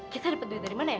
kita dapat duit dari mana ya